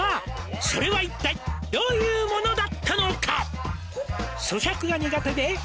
「それは一体どういうものだったのか」